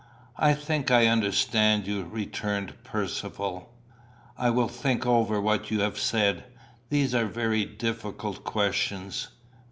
"I think I understand you," returned Percivale. "I will think over what you have said. These are very difficult questions."